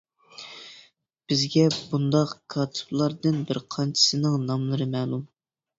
بىزگە بۇنداق كاتىپلاردىن بىر قانچىسىنىڭ ناملىرى مەلۇم.